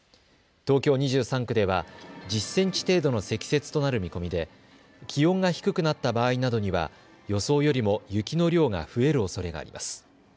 東京２３区では１０センチ程度の積雪となる見込みで気温が低くなった場合などには予想よりも雪の量が増えるおそれがあります。